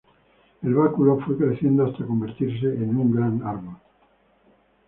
El báculo fue creciendo hasta convertirse en un gran árbol.